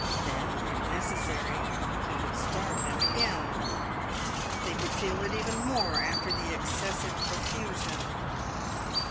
Then, if necessary, he would starve them again. They would feel it even more after the excessive profusion.